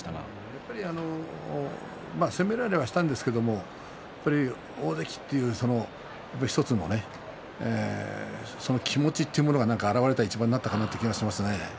やっぱり攻められはしたんですけど大関という１つのその気持ちというものが表れた一番だったかなという気がしますね。